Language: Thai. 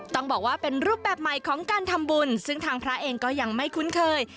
ต้องบอกว่าเป็นรูปแบบใหม่ของการทำบุญซึ่งทางพระเองก็ยังไม่คุ้นเคย